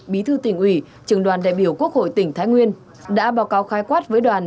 bí thư tỉnh ủy trường đoàn đại biểu quốc hội tỉnh thái nguyên đã báo cáo khái quát với đoàn